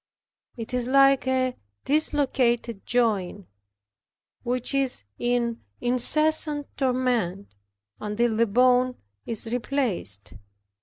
It is like a dislocated joint, which is in incessant torment, until the bone is replaced.